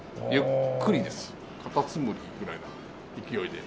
カタツムリぐらいな勢いで。